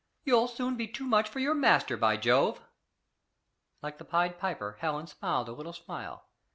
You'll soon be too much for your master, by Jove!" Like the pied piper, Helen smiled a little smile.